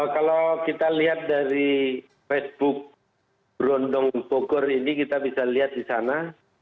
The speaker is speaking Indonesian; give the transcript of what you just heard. kalau kita lihat dari facebook berondong bogor ini kita bisa lihat di sana